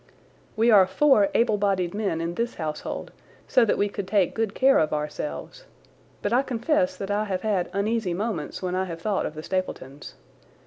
We are four able bodied men in this household, so that we could take good care of ourselves, but I confess that I have had uneasy moments when I have thought of the Stapletons.